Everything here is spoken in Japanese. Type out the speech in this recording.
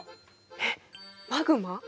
えっマグマ？